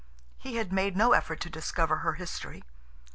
He had made no effort to discover her history.